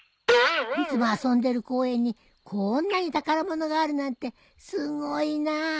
いつも遊んでる公園にこんなに宝物があるなんてすごいなぁ。